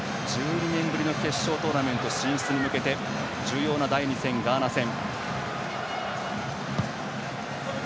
１２年ぶりの決勝トーナメント進出に向けて重要な第２戦、ガーナ戦。